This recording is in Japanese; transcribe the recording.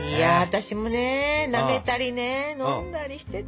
私もねなめたりね飲んだりしてた。